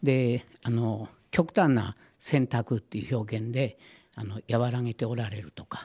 極端な選択という表現で和らげておられるとか。